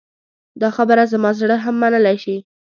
دا خبره زما زړه هم منلی شي.